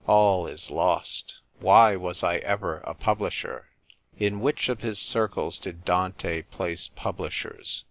'All is lost ! Why was I ever a publisher ?' In which of his circles did Dante place publishers?